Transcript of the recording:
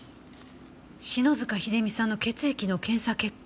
篠塚秀実さんの血液の検査結果。